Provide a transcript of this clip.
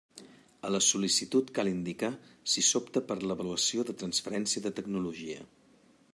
A la sol·licitud cal indicar si s'opta per l'avaluació de transferència de tecnologia.